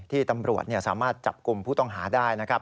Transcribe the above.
ตำรวจสามารถจับกลุ่มผู้ต้องหาได้นะครับ